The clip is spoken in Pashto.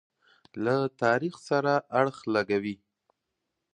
له تاریخ سره اړخ لګوي.